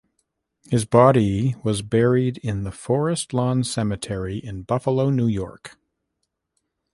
His body was buried in the Forest Lawn Cemetery in Buffalo, New York.